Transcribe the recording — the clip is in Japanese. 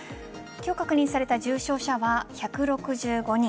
今日確認された重症者は１６５人。